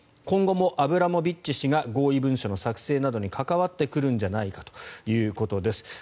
今後もアブラモビッチ氏が合意文書の作成などに関わってくるんじゃないかということです。